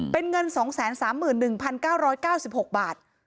เป็นเงิน๒๓๑๙๙๖บาท